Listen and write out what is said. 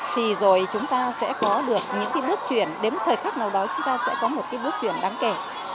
thì rồi chúng ta sẽ có được những cái bước chuyển đến thời khắc nào đó chúng ta sẽ có một cái bước chuyển đáng kể